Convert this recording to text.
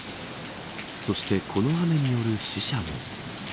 そしてこの雨による死者も。